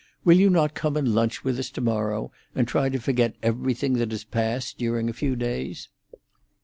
Will you not come and lunch with us to morrow, and try to forget everything that has passed during a few days?